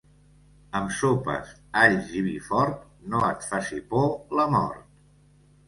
Amb sopes, alls i vi fort, no et faci por la mort.